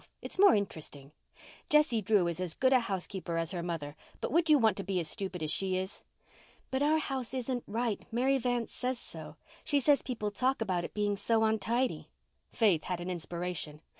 It's more interesting. Jessie Drew is as good a housekeeper as her mother, but would you want to be as stupid as she is?" "But our house isn't right. Mary Vance says so. She says people talk about it being so untidy." Faith had an inspiration.